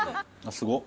すごっ。